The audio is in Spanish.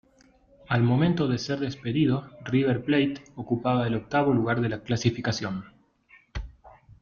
Al momento de ser despedido, River Plate ocupaba el octavo lugar de la clasificación.